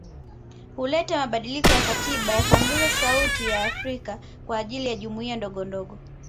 Huleta mabadiliko ya katiba ya kuongeza sauti ya waafrika kwa ajili ya jumuiya ndogondogo